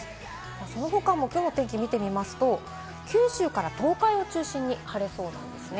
その他もきょうの天気を見てみますと、九州から東海を中心に晴れそうですね。